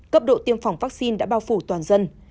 cấp độ tiêm phòng vaccine đã bao phủ toàn dân